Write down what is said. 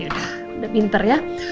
yaudah udah pinter ya